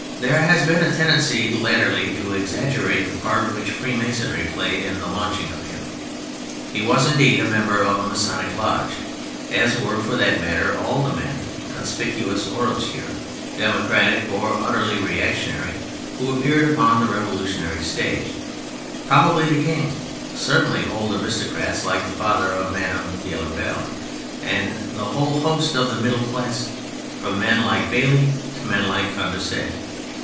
There has been a tendency latterly to exagger ate the part which Freemasonry played in the launching of him; he was indeed a member of a masonic lodge, as were, for that matter, all the men, conspicuous or obsciwe, democratic or utterly reactionary, who appeared upon the revolutionary stage : probably the king, cer tainly old aristocrats like the father of Madame de Lamballe, and the whole host of the middle class, from men like Bailly to men like Con dorcet.